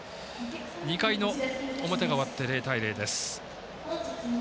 ２回の表が終わって０対０です。